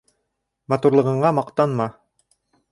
Матурлығыңа маҡтанма